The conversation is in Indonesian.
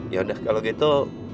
yaudah kalau gitu